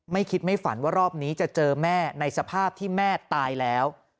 ไม่คิดไม่ฝันว่ารอบนี้จะเจอแม่ในสภาพที่แม่ตายแล้ว